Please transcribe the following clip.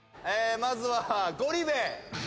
まずはゴリ部。